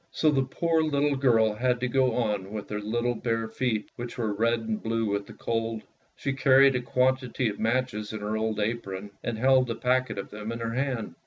So the poor little girl had to go on with her little bare feet, which were red and blue with the cold. She carried a quantity of matches in her old apron, and held a packet of them in her hand.